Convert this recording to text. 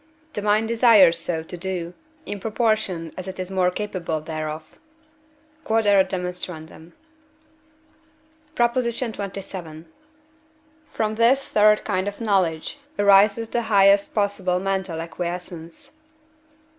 the mind desires so to do, in proportion as it is more capable thereof. Q.E.D. PROP. XXVII. From this third kind of knowledge arises the highest possible mental acquiescence.